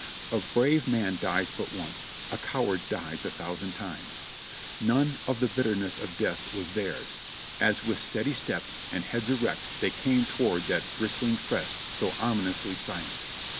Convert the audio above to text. "A brave man dies but once, a coward dies a thousand times."* None of the bitterness of death was theirs, as with steady step and heads erect they came toward that bristling crest so om inously silent.